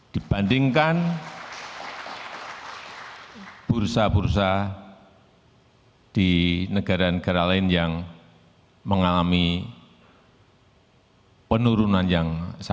dibandingkan bursa bursa di negara negara lain yang mengalami penurunan yang sangat besar